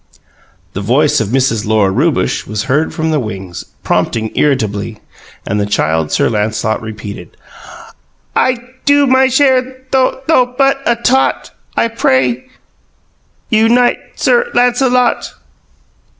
The voice of Mrs. Lora Rewbush was heard from the wings, prompting irritably, and the Child. Sir Lancelot repeated: "I do my share though but though but a tot, I pray you knight Sir Lancelot!"